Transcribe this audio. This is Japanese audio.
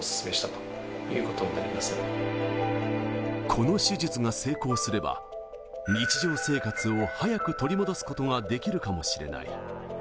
この手術が成功すれば、日常生活を早く取り戻すことができるかもしれない。